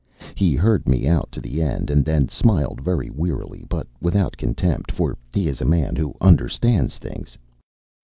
He heard me out to the end, and then smiled very wearily, but without contempt, for he is a man who understands things.